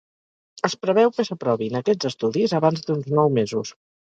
Es preveu que s'aprovin aquests estudis abans d'uns nou mesos.